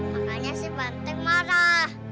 makanya si banting marah